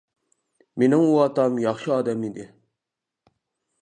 مىنىڭ ئۇ ئاتام ياخشى ئادەم ئىدى.